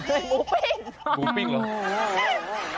หมูปิ้งเหรอ